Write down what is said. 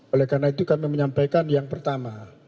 oleh karena itu kami menyampaikan yang pertama